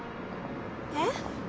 えっ？